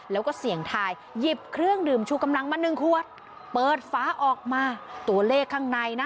แล้วก็เสี่ยงทายหยิบเครื่องดื่มชูกำลังมาหนึ่งขวดเปิดฟ้าออกมาตัวเลขข้างในนะ